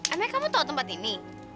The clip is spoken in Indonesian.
aneh kamu tau tempat ini